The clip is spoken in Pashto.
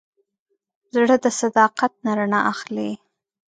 زړه د صداقت نه رڼا اخلي.